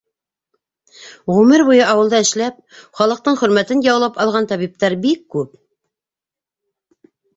Ғүмер буйы ауылда эшләп, халыҡтың хөрмәтен яулап алған табиптар бик күп.